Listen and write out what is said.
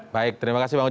baik terima kasih bang oc